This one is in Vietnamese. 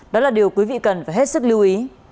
đó là điều quý vị cần phải hết sức lưu ý